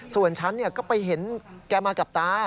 ส่วนฉันก็ไปเห็นแกมากับตา